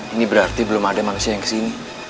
ini berarti belum ada manusia yang kesini